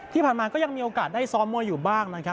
ที่ผ่านมาก็ยังมีโอกาสได้ซ้อมมวยอยู่บ้างนะครับ